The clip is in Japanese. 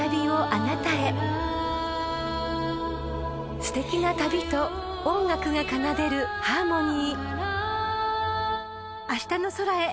［すてきな旅と音楽が奏でるハーモニー］